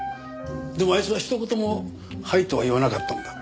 でもあいつは一言も「はい」とは言わなかったんだ。